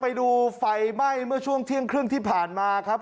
ไปดูไฟไหม้เมื่อช่วงเที่ยงครึ่งที่ผ่านมาครับ